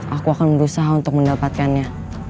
aku akan berusaha untuk mendapatkannya